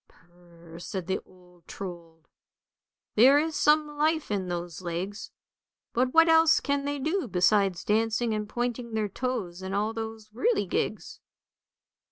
" Prrrrr! " said the old Trold. " There is some life in those legs, but what else can they do besides dancing and pointing their toes and all those whirligigs?